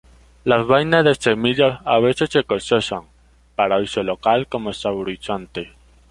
Las vainas de semillas a veces se cosechan para uso local como saborizante.